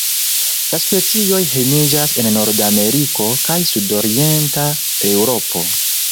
La specioj hejmiĝas en Nordameriko kaj sudorienta Eŭropo.